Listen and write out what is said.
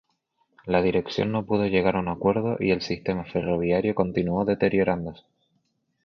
La dirección no pudo llegar a un acuerdo y el sistema ferroviario continuó deteriorándose.